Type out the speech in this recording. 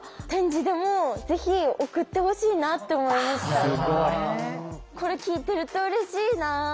何かぜひこれ聞いてるとうれしいな。